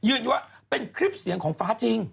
ว่าเป็นคลิปเสียงของฟ้าจริง